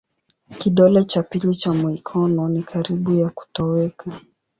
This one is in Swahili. Kidole cha pili cha mikono ni karibu ya kutoweka.